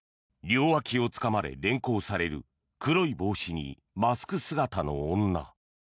両脇をつかまれ、連行される黒い帽子にマスク姿の女。